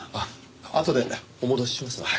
あとでお戻ししますので。